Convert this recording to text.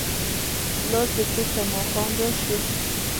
پلار چې کور ته ماښام راشي